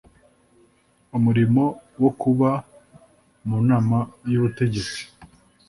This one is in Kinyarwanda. umulimo wo kuba mu nama y ubutegetsi